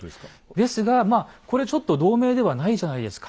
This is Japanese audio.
ですがまあこれちょっと同盟ではないじゃないですか。